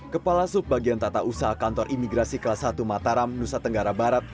kepala subbagian tata usaha kantor imigrasi kelas satu mataram nusa tenggara barat